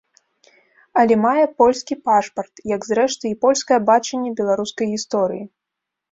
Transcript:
Але мае польскі пашпарт, як, зрэшты, і польскае бачанне беларускай гісторыі.